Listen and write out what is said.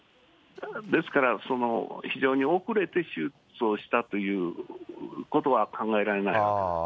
ですから、非常に遅れて手術をしたということは考えられない。